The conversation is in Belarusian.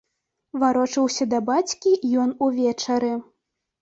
Варочаўся да бацькі ён увечары.